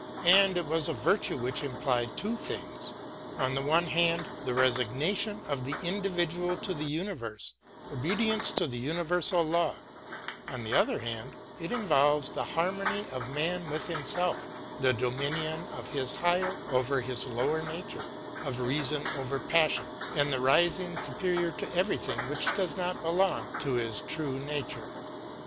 And it was a virtue which implied two things. On the one hand, the resignation of the individual to the universe, obedience to the universal law ; on the other hand, it involves the harmony of man with himself — ^the dominion of his higher over his lower nature, of reason over passion, and the rising superior to everything which does not belong to his true nature.